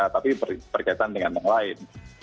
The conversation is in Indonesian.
tapi berkaitan dengan yang lain